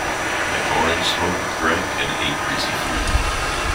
McMorran smoked, drank, and ate greasy food.